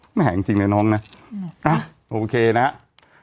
ไม่แห่งจริงเนี่ยน้องนะโอเคนะครับ